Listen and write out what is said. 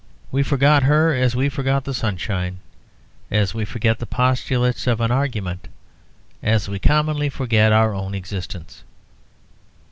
We forgot her as we forget the sunshine, as we forget the postulates of an argument, as we commonly forget our own existence.